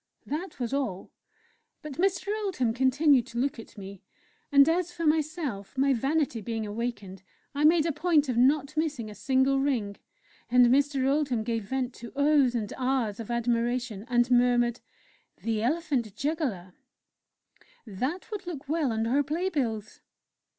That was all. But Mr. Oldham continued to look at me; and as for myself, my vanity being awakened, I made a point of not missing a single ring, and Mr. Oldham gave vent to "Ohs!" and "Ahs!" of admiration, and murmured: "'The Elephant Juggler' That would look well on our play bills!"